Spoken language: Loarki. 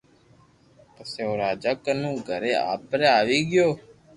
پسي او راجا ڪنو گھري آپري آوي گيو